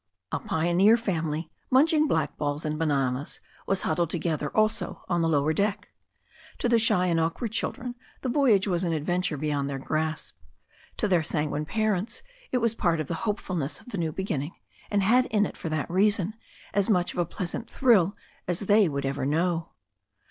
A pioneer family, munching blackballs and bananas, was huddled together, also on the lower deck. To the shy and awkward children the voyage was an adventure beyond their grasp. To their sanguine parents it was part of the hope fulness of the new beginning, and had in it, for that reason, as much of a pleasant thrill as they would ever know.